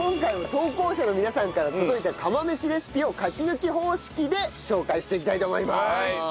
投稿者の皆さんから届いた釜飯レシピを勝ち抜き方式で紹介していきたいと思います。